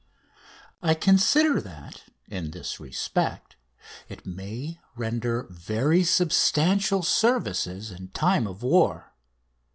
I consider that, in this respect, it may render very substantial services in time of war.